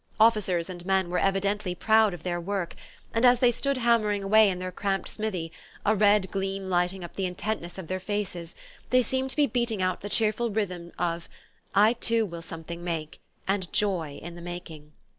Officers and men were evidently proud of their work, and as they stood hammering away in their cramped smithy, a red gleam lighting up the intentness of their faces, they seemed to be beating out the cheerful rhythm of "I too will something make, and joy in the making."...